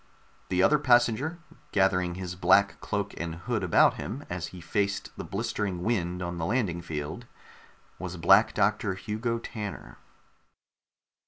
The other passenger, gathering his black cloak and hood around him as he faced the blistering wind on the landing field, was Black Doctor Hugo Tanner.